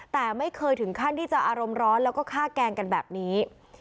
แต่ไม่เคยถึงขั้นที่จะอารมณ์ร้อนแล้วก็ฆ่าแกล้งกันแบบนี้